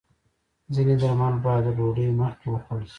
ځینې درمل باید د ډوډۍ مخکې وخوړل شي.